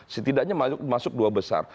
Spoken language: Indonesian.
setidaknya masuk dua besar